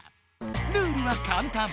ルールはかんたん。